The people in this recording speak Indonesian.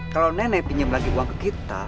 kalau nenek pinjam lagi uang ke kita